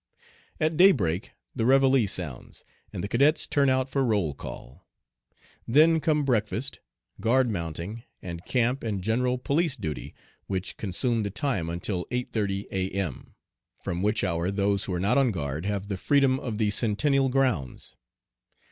"At daybreak the reveille sounds, and the cadets turn out for roll call. Then come breakfast, guard mounting, and camp and general police duty, which consume the time until 8.30 A.M., from which hour those who are not on guard have the freedom of the Centennial grounds.